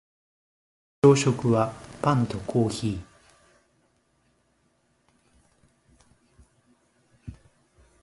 朝食はパンとコーヒー